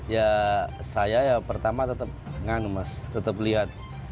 ya saya ya pertama tetap nganu mas tetap lihat